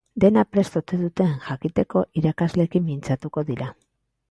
Dena prest ote duten jakiteko irakasleekin mintzatuko dira.